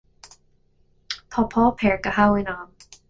Tá páipéar go habhainn agam.